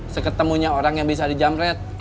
seketemunya orang yang bisa di jamret